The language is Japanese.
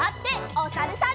おさるさん。